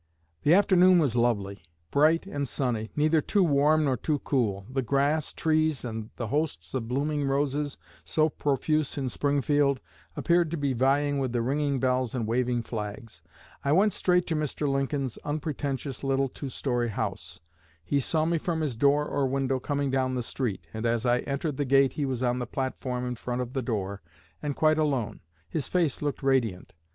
"The afternoon was lovely bright and sunny, neither too warm nor too cool; the grass, trees, and the hosts of blooming roses, so profuse in Springfield, appeared to be vying with the ringing bells and waving flags. I went straight to Mr. Lincoln's unpretentious little two story house. He saw me from his door or window coming down the street, and as I entered the gate he was on the platform in front of the door, and quite alone. His face looked radiant.